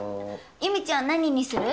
ゆみちゃんは何にする？